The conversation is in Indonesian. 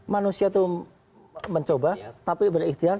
manusia itu mencoba tapi berikhtiar